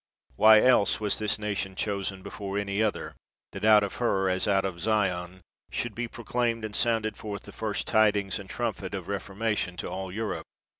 Why else was this nation chosen before any other, that out of her, as out of Zion, should be proclaimed and sounded forth the first tidings and trumpet of Reformation to all Europe?